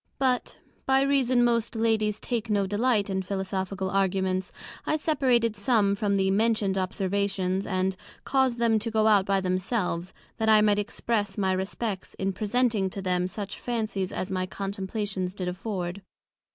But, by reason most Ladies take no delight in Philosophical Arguments, I separated some from the mentioned Observations, and caused them to go out by themselves, that I might express my Respects, in presenting to Them such Fancies as my Contemplations did afford.